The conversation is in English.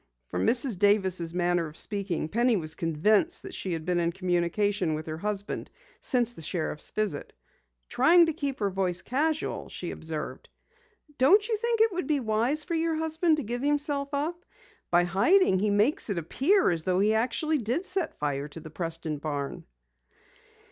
From Mrs. Davis' manner of speaking, Penny was convinced that she had been in communication with her husband since the sheriff's visit. Trying to keep her voice casual, she observed: "Don't you think it would be wise for your husband to give himself up? By hiding, he makes it appear as though he actually did set fire to the Preston barn."